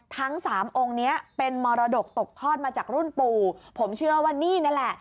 ทั้งสามองค์เนี้ยเป็นมรดกตกทอดมาจากรุ่นปู่ผมเชื่อว่านี่นั่นแหละ